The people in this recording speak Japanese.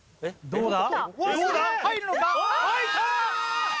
どうだ？